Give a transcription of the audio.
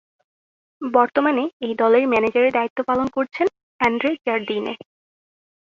বর্তমানে এই দলের ম্যানেজারের দায়িত্ব পালন করছেন আন্দ্রে জার্দিনে।